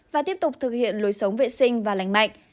và tiếp tục thực hiện lối sống vệ sinh và lành mạnh